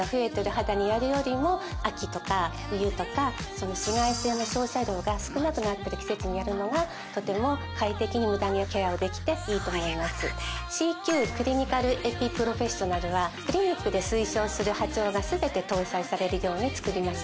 肌にやるよりも秋とか冬とか紫外線の照射量が少なくなってる季節にやるのがとても快適にムダ毛ケアをできていいと思いますＣＱクリニカルエピプロフェッショナルはクリニックで推奨する波長が全て搭載されるように作りました